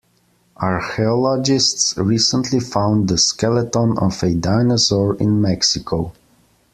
Archaeologists recently found the skeleton of a dinosaur in Mexico.